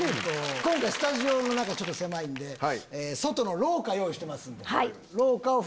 今回スタジオの中狭いんで外の廊下用意してますんで。